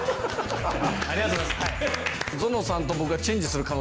ありがとうございます。